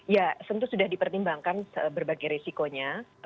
ya tentu sudah dipertimbangkan berbagai resikonya